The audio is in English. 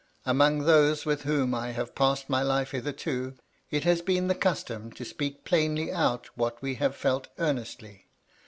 Among those with whom I have passed my life hitherto, it has been the custom to speak plainly out what we have felt earnestly.